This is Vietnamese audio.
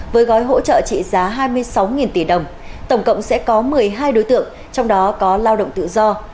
với gói hỗ trợ trị giá hai mươi sáu tỷ đồng tổng cộng sẽ có một mươi hai đối tượng trong đó có lao động tự do